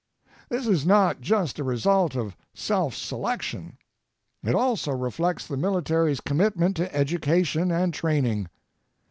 This is not just a result of self selection. It also reflects the military's commitment to education and training.